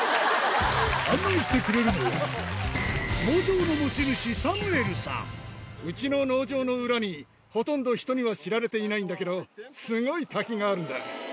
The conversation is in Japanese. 案内してくれるのは、農場のうちの農場の裏に、ほとんど人には知られていないんだけど、すごい滝があるんだ。